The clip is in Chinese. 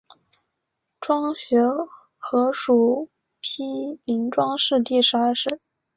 庄学和属毗陵庄氏第十二世。